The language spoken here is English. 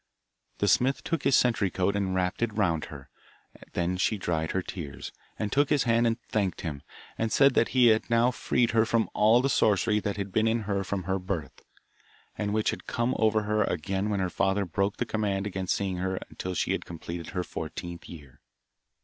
The smith took his sentry coat and wrapped it round her; then she dried her tears, and took his hand and thanked him, and said that he had now freed her from all the sorcery that had been in her from her birth, and which had come over her again when her father broke the command against seeing her until she had completed her fourteenth year.